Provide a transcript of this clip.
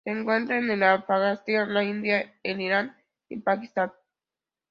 Se encuentra en el Afganistán, la India, el Irán y Pakistán.